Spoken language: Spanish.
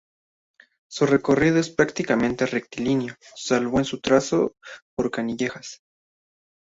Su recorrido es prácticamente rectilíneo salvo en su trazado por Canillejas.